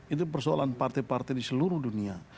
itu persoalan partai partai di seluruh dunia